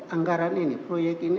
anggaran ini proyek ini